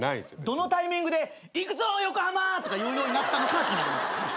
どのタイミングで「いくぞ横浜！」とか言うようになったのかは気になります。